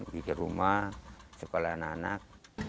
bikin rumah sekolah anak anak